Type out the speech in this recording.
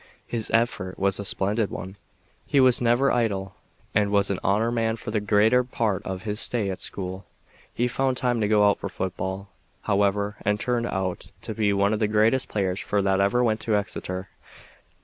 His effort was a splendid one. He was never idle, and was an honor man for the greater part of his stay at school. He found time to go out for football, however, and turned out to be one of the greatest players that ever went to Exeter.